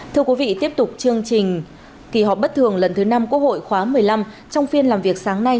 thưa quý vị tiếp tục chương trình kỳ họp bất thường lần thứ năm quốc hội khóa một mươi năm trong phiên làm việc sáng nay